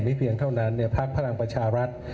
เพียงเท่านั้นพักพลังประชารัฐ